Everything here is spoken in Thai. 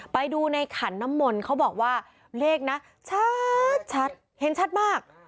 ไปดูในขันน้ำมนต์เขาบอกว่าเลขนะชัดเห็นชัดมาก